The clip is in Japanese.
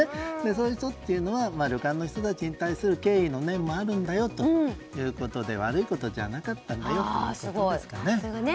そういう人っていうのは旅館の人たちに対する敬意の念もあるんだよということで悪いことじゃなかったんだよということですね。